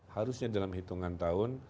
harusnya dalam hitungan tahun